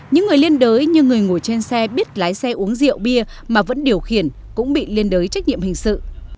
những người liên đới như người ngồi trên xe biết lái xe uống rượu bia mà vẫn điều khiển cũng bị liên đới trách nhiệm hình sự